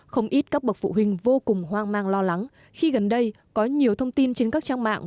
không ít các bậc phụ huynh vô cùng hoang mang lo lắng khi gần đây có nhiều thông tin trên các trang mạng